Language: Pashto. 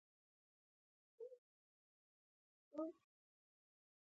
ښه کانټینټ د اعلان زړه دی.